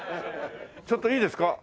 ちょっといいですか？